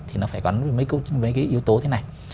thì nó phải gắn với cái yếu tố thế này